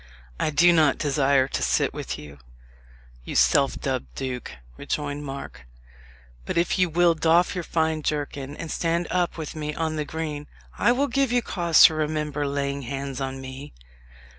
"I do not desire to sit with you, you self dubbed duke," rejoined Mark; "but if you will doff your fine jerkin, and stand up with me on the green, I will give you cause to remember laying hands on me."